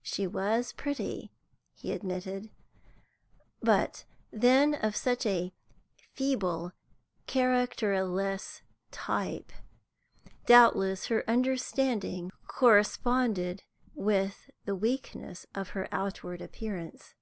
She was pretty, he admitted, but then of such a feeble, characterless type; doubtless her understanding corresponded with the weakness of her outward appearance.